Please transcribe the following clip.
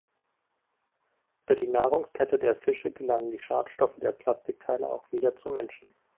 Über die Nahrungskette der Fische gelangen die Schadstoffe der Plastikteile auch wieder zum Menschen.